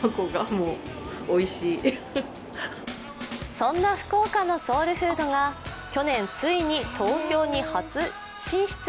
そんな福岡のソウルフードが去年ついに東京に初進出。